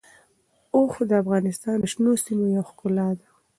اوښ د افغانستان د شنو سیمو یوه ښکلا ده.